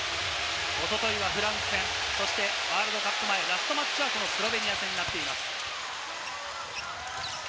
おとといはフランス戦、そしてワールドカップ前ラストマッチはこのスロベニア戦になっています。